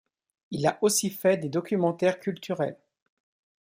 Il a aussi fait des documentaires culturels.